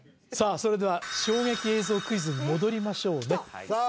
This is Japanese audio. それでは衝撃映像クイズに戻りましょうねさあ